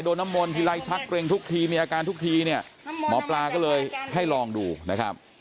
น้ำมนทีไรชักเกรงทุกทีมีอาการทุกทีเนี่ยหมอปลาก็เลยให้ลองดูนะครับ